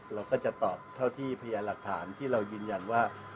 เราก็จะตอบเท่าที่พยานหลักฐานที่เรายืนยันว่า